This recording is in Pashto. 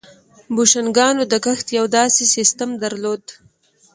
بوشنګانو د کښت یو داسې سیستم درلود.